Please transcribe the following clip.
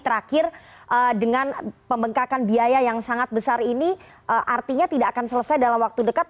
terakhir dengan pembengkakan biaya yang sangat besar ini artinya tidak akan selesai dalam waktu dekat